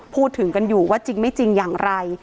พูดถึงกันอยู่ว่าจริงไม่จริงอย่างไร